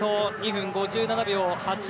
２分５７秒８２。